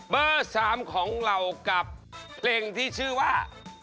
เบอร์๓ของเรากับเพลงที่ชื่อว่า